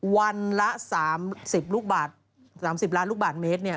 วันละ๓๐ลูกบาท๓๐ล้านลูกบาทเมตรเนี่ย